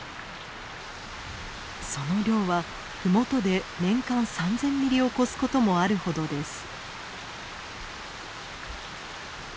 その量は麓で年間３，０００ミリを超すこともあるほどです。